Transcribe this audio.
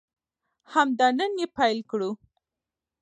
همدا نن یې پیل کړو.